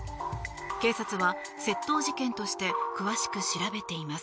警察は窃盗事件として詳しく調べています。